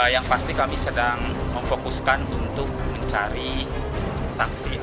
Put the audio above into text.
yang pasti kami sedang memfokuskan untuk mencari saksi